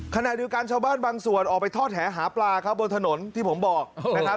ขณะเดียวกันชาวบ้านบางส่วนออกไปทอดแหหาปลาครับบนถนนที่ผมบอกนะครับ